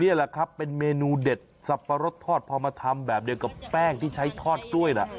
นี่แหละครับเป็นเมนูเด็ดสับปะรดทอดพอมาทำแบบเดียวกับแป้งที่ใช้ทอดกล้วยน่ะ